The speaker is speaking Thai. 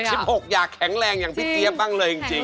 ๐๖ชิ้น๖อย่างแข็งแรงยังพี่เจี๊ยบบ้างเลยจริง